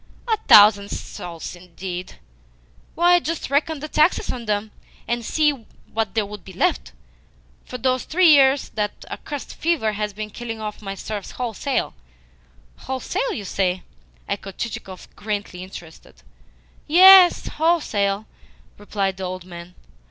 A thousand souls, indeed! Why, just reckon the taxes on them, and see what there would be left! For these three years that accursed fever has been killing off my serfs wholesale." "Wholesale, you say?" echoed Chichikov, greatly interested. "Yes, wholesale," replied the old man.